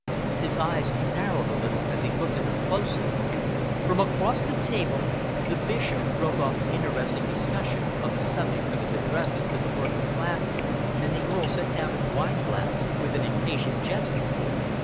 His eyes narrowed a little as he looked at her closely. From across the table, the Bishop broke off an interesting discussion on the subject of his addresses to the working classes, and the Earl set down his wineglass with an impatient gesture.